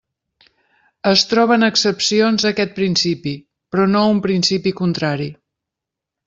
Es troben excepcions a aquest principi, però no un principi contrari.